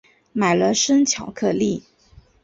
买了生巧克力